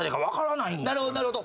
なるほどなるほど。